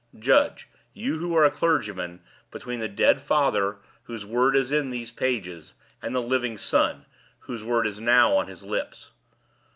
Judge, you who are a clergyman, between the dead father, whose word is in these pages, and the living son, whose word is now on his lips!